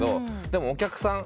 でもお客さん。